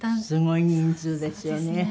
すごい人数ですよね。